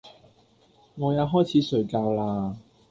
我也開始睡覺啦！